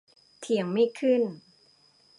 เถียงไม่ขึ้น